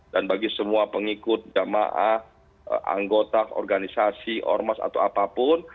dan bagi semua pengikut jamaah anggota organisasi ormas atau apapun